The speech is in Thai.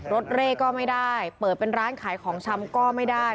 เร่ก็ไม่ได้เปิดเป็นร้านขายของชำก็ไม่ได้